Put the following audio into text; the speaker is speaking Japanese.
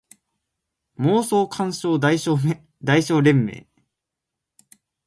妄想感傷代償連盟